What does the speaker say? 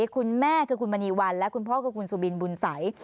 คุณแม่คือคุณมณีวันและคุณพ่อคือคุณสุบินบุญสัย